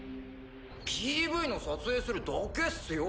ＰＶの撮影するだけっすよ。